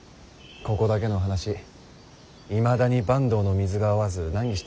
ここだけの話いまだに坂東の水が合わず難儀しています。